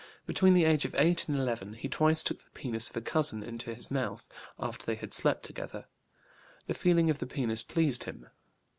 Between the age of 8 and 11 he twice took the penis of a cousin into his mouth, after they had slept together; the feeling of the penis pleased him.